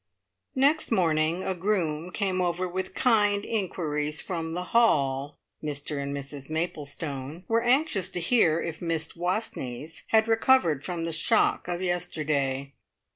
Next morning a groom came over with kind inquiries from the Hall. Mr and Mrs Maplestone were anxious to hear if Miss Wastneys had recovered from the shock of yesterday.